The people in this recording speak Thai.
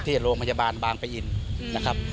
ที่โรงพยาบาลบางปะอินนะครับ